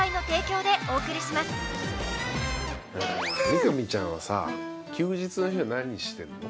見上ちゃんはさ休日の日は何してるの？